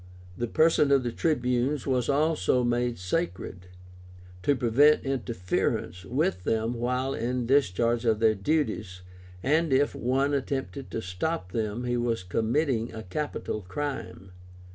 The person of the Tribunes was also made sacred, to prevent interference with them while in discharge of their duties, and if any one attempted to stop them he was committing a capital crime.